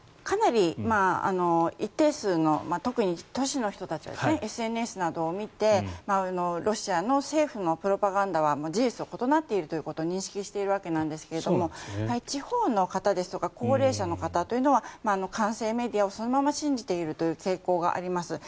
かなり一定数の特に都市の人たちはＳＮＳなどを見てロシアの政府のプロパガンダは事実と異なっているということを認識しているわけですが地方の方ですとか高齢者の方というのは管制メディアをそのまま信じているという傾向があります。